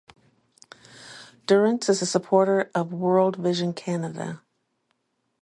Durance is a supporter of World Vision Canada.